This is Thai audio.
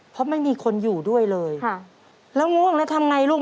เพราะไม่มีคนอยู่ด้วยเลยค่ะแล้วง่วงแล้วทำไงลูก